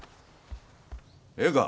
ええか。